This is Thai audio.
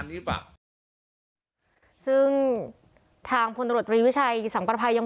นี้หรือเปล่าซึ่งทางพนรศรีวิชัยสัมประภัยยัง